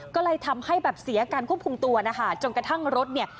ก็เลยทำให้แบบเสียการควบคุมตัวนะคะจนกระทั่งรถเนี่ย